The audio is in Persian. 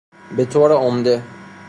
به طور عمده